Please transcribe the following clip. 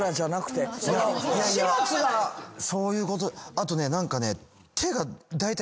あとね何かね。